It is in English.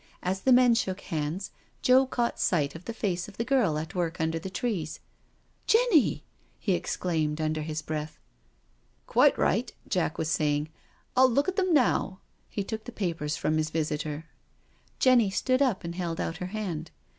As the men shook hands Joe caught sight of the face of the girl at work under the trees. " Jenny I" he exclaimed under his breath. " Quite right," Jack was saying, " I'll look at them now." He took the papers from his visitor. Jenny stood up and held out her hand.